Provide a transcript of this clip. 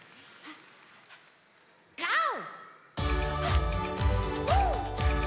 ゴー！